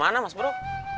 mau kemana mas bro